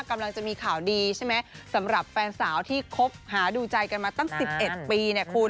กำลังจะมีข่าวดีใช่ไหมสำหรับแฟนสาวที่คบหาดูใจกันมาตั้ง๑๑ปีเนี่ยคุณ